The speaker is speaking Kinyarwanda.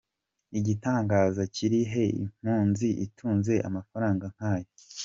Igitangaza kiri he impunzi itunze amafaranga nkayo ?